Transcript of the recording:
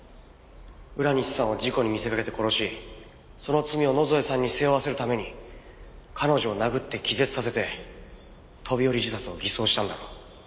浦西さんを事故に見せかけて殺しその罪を野添さんに背負わせるために彼女を殴って気絶させて飛び降り自殺を偽装したんだろ？